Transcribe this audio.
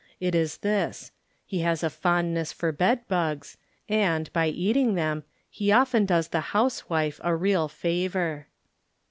It is this: He has a fondness for bed bugs, and, by eating them, he often does the housewife a real favor.